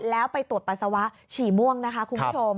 แล้วไปตรวจปัสสาวะฉี่ม่วงนะคะคุณผู้ชม